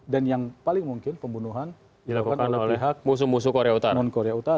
dan yang paling mungkin pembunuhan dilakukan oleh pihak musuh musuh korea utara